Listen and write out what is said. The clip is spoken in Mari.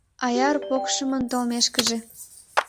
Аяр покшымын толмекыже